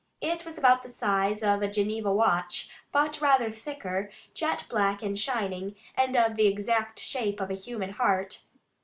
It was about the size of a Geneva watch, but rather thicker, jet black and shining, and of the exact shape of a human heart.